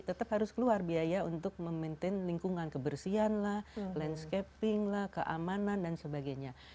tetap harus keluar biaya untuk memaintain lingkungan kebersihan lah landscaping lah keamanan dan sebagainya